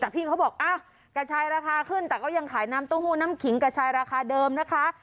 แต่พี่เขาบอกกระชายราคาขึ้นแต่ก็ยังขายน้ำเต้าหู้น้ำขิงกระชายราคาเดิมนะคะ